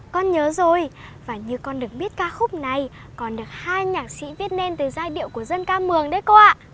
con nhớ rồi và như con được biết ca khúc này còn được hai nhạc sĩ viết nên tới giai điệu của dân ca mường đấy cô ạ